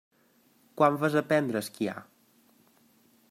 Quan vas aprendre a esquiar?